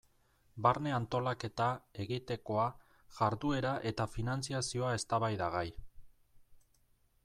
Barne antolaketa, egitekoa, jarduera eta finantzazioa eztabaidagai.